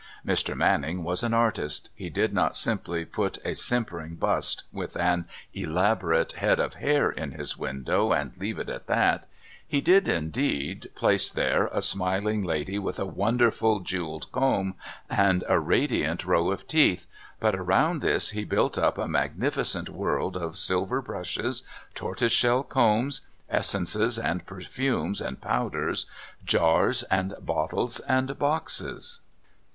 Mr. Manning was an artist. He did not simply put a simpering bust with an elaborate head of hair in his window and leave it at that he did, indeed, place there a smiling lady with a wonderful jewelled comb and a radiant row of teeth, but around this he built up a magnificent world of silver brushes, tortoise shell combs, essences and perfumes and powders, jars and bottles and boxes.